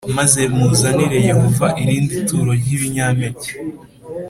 maze muzanire Yehova irindi turo ry ibinyampeke